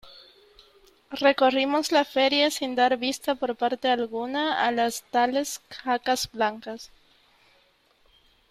recorrimos la feria sin dar vista por parte alguna a las tales jacas blancas .